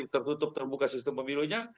tertutup terbuka sistem pemilunya